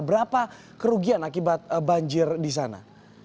berapa kerugian akibat banjir di sana